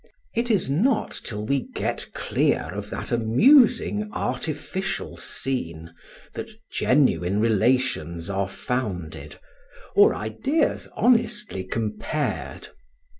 It is not till we get clear of that amusing artificial scene that genuine relations are founded, or ideas honestly compared.